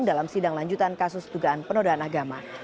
dalam sidang lanjutan kasus dugaan penodaan agama